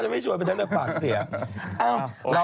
มีมะ